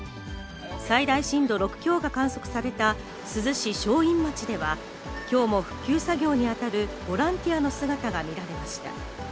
最大震度６強が観測された珠洲市正院町では、きょうも復旧作業に当たるボランティアの姿が見られました。